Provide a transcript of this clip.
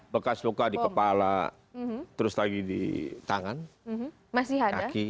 bekas luka di kepala terus lagi di tangan kaki